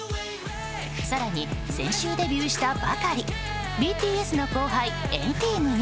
更に、先週デビューしたばかりＢＴＳの後輩、＆ＴＥＡＭに。